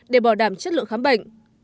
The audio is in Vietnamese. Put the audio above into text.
để bảo đảm chất lượng khám bệnh